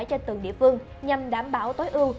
cho từng địa phương nhằm đảm bảo tối ưu